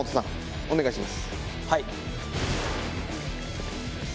お願いします。